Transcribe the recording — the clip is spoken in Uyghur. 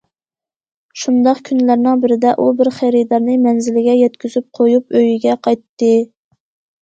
شۇنداق كۈنلەرنىڭ بىرىدە ئۇ بىر خېرىدارنى مەنزىلىگە يەتكۈزۈپ قويۇپ ئۆيىگە قايتتى.